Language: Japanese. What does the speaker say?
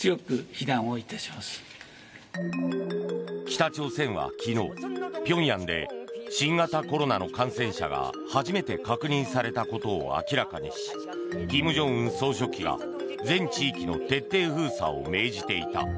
北朝鮮は昨日、平壌で新型コロナの感染者が初めて確認されたことを明らかにし金正恩総書記が全地域の徹底封鎖を命じていた。